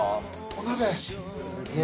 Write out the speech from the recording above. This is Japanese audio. お鍋。